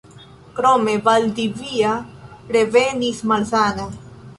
Krome Valdivia revenis malsana.